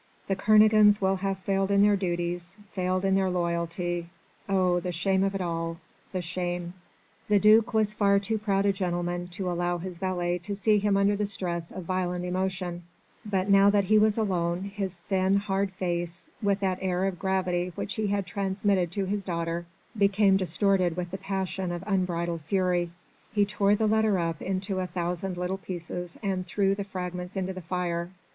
The Kernogans will have failed in their duty, failed in their loyalty! Oh! the shame of it all! The shame!! The duc was far too proud a gentleman to allow his valet to see him under the stress of violent emotion, but now that he was alone his thin, hard face with that air of gravity which he had transmitted to his daughter became distorted with the passion of unbridled fury; he tore the letter up into a thousand little pieces and threw the fragments into the fire.